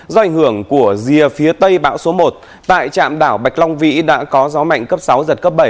do ảnh hưởng của rìa phía tây bão số một tại trạm đảo bạch long vĩ đã có gió mạnh cấp sáu giật cấp bảy